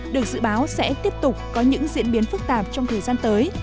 được dự báo sẽ tiếp tục có những diễn biến phức tạp trong thời gian tới